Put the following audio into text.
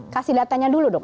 kasih datanya dulu dong